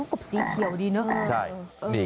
กบสีเขียวดีเนอะ